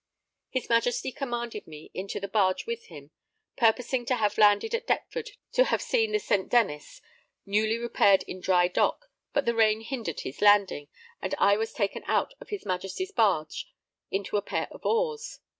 His Majesty commanded me into the barge with him, purposing to have landed at Deptford to have seen the St. Denis, newly repaired in dry dock, but the rain hindered his landing, and I was taken out of his Majesty's barge into a pair of oars.